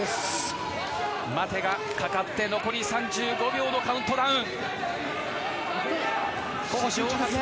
待てがかかって残り３５秒のカウントダウン。